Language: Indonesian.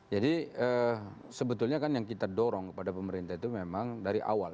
jadi sebetulnya kan yang kita dorong kepada pemerintah itu memang dari awal